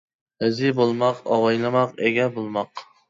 ھېزى بولماق ئاۋايلىماق، ئىگە بولماق.